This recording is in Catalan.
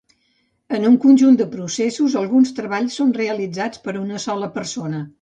En un conjunt de processos, alguns treballs són realitzats per una sola persona.